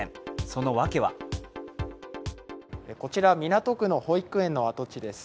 そのわけはこちら港区の保育園の跡地です。